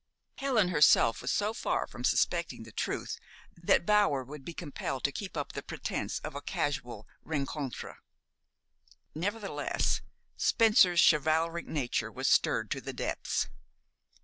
Helen herself was so far from suspecting the truth that Bower would be compelled to keep up the pretense of a casual rencontre. Nevertheless, Spencer's chivalric nature was stirred to the depths.